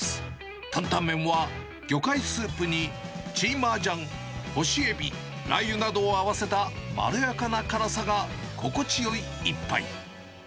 担々麺は魚介スープにチーマージャン、干しエビ、ラー油などを合わせたまろやかな辛さが心地よい１杯。